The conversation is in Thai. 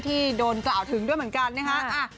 ที่โดนกล่าวถึงด้วยเหมือนกันนะฮะ